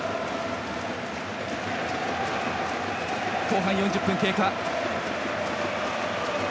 後半４０分が経過。